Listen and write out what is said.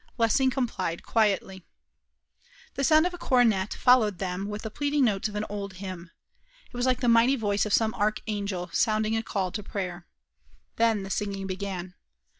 Lessing complied quietly. The sound of a cornet followed them with the pleading notes of an old hymn. It was like the mighty voice of some archangel sounding a call to prayer. Then the singing began.